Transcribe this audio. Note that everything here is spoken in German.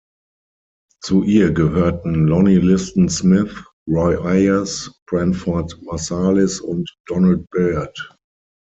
Zu ihr gehörten Lonnie Liston Smith, Roy Ayers, Branford Marsalis und Donald Byrd.